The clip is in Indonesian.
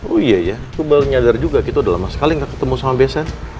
oh iya ya itu baru nyadar juga kita udah lama sekali gak ketemu sama besen